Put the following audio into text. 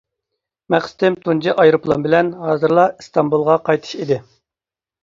مەقسىتىم تۇنجى ئايروپىلان بىلەن ھازىرلا ئىستانبۇلغا قايتىش ئىدى.